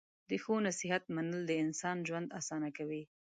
د ښو نصیحت منل د انسان ژوند اسانه کوي.